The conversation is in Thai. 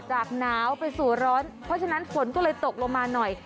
หนาวไปสู่ร้อนเพราะฉะนั้นฝนก็เลยตกลงมาหน่อย